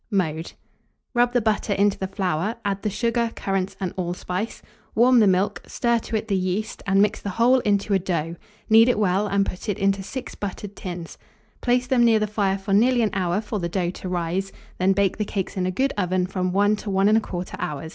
Mode. Rub the butter into the flour; add the sugar, currants, and allspice; warm the milk, stir to it the yeast, and mix the whole into a dough; knead it well, and put it into 6 buttered tins; place them near the fire for nearly an hour for the dough to rise, then bake the cakes in a good oven from 1 to 11/4 hour.